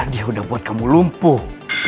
dia udah buat kamu lumpuh